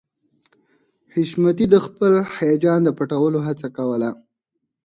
حشمتي د خپل هيجان د پټولو هڅه کوله